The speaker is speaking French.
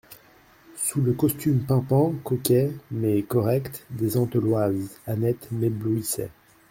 Sous le costume pimpant, coquet, mais correct, des Eteloises, Annette m'éblouissait.